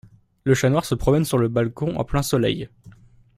Le chat noir se promène sur le balcon en plein soleil.